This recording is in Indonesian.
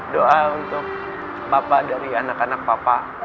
doa untuk bapak dari anak anak papa